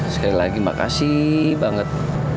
sekali lagi makasih banget